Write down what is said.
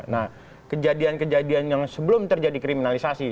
nah kejadian kejadian yang sebelum terjadi kriminalisasi